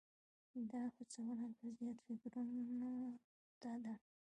دا هڅونه لا زیاتو فکرونو ته ده.